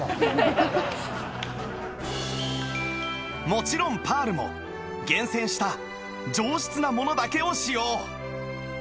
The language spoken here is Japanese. もちろんパールも厳選した上質なものだけを使用